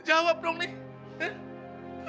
jawab dong nih